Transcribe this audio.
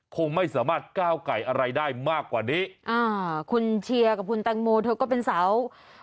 คงไม่สามารถก้าวไก่อะไรได้มากกว่านี้อ่าคุณเชียร์กับคุณแตงโมเธอก็เป็นสาว